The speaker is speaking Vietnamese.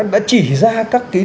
đã chỉ ra các cái